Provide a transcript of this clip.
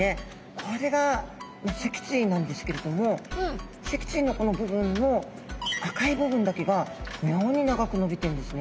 これが脊椎なんですけれども脊椎のこの部分の赤い部分だけが妙に長く伸びてんですね。